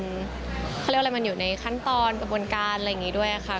เขาเรียกว่าอะไรมันอยู่ในขั้นตอนกระบวนการอะไรอย่างนี้ด้วยค่ะ